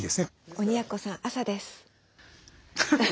鬼奴さん朝です。